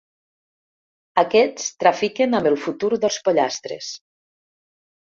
Aquests trafiquen amb el futur dels pollastres.